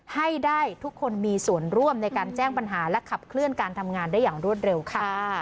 ให้ได้ทุกคนมีส่วนร่วมในการแจ้งปัญหาและขับเคลื่อนการทำงานได้อย่างรวดเร็วค่ะ